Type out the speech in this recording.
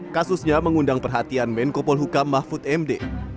kasusnya mengundang perhatian menko polhuka mahfud md